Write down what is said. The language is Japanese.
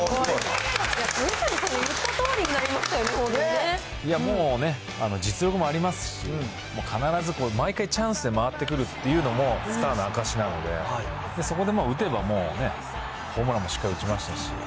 鳥谷さんが言ったとおりになりましたよね、いやもうね、実力もありますし、必ず毎回チャンスで回ってくるっていうのも、スターの証しなのでそこで打てばもうね、ホームランもしっかり打ちましたし。